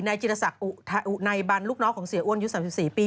นายจิตศักดิ์นายบัญลูกน้องของเสียอ้วนอายุ๓๔ปี